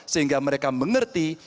sehingga mereka mengerti